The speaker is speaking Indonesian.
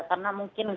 karena mungkin selama